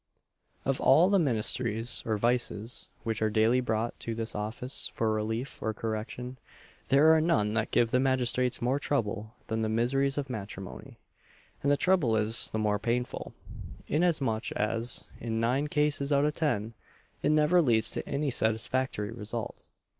Of all the miseries, or vices, which are daily brought to this office for relief or correction, there are none that give the magistrates more trouble than the miseries of matrimony and the trouble is the more painful, inasmuch as, in nine cases out of ten, it never leads to any satisfactory result.